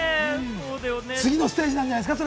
次のステージなんじゃないですか？